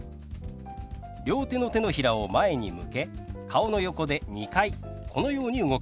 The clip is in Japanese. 両手の手のひらを前に向け顔の横で２回このように動かします。